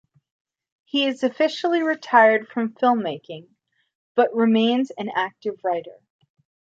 He is officially retired from film-making but remains an active writer.